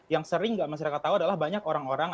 yang sering nggak masyarakat tahu adalah banyak orang orang